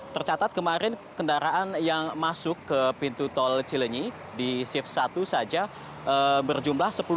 tercatat kemarin kendaraan yang masuk ke pintu tol cilenyi di shift satu saja berjumlah sepuluh